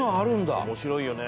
山崎：面白いよね。